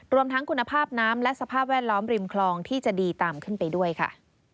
รวมทั้งคุณภาพน้ำและสภาพแวดล้อมริมคลองที่จะดีตามขึ้นไปด้วยค่ะ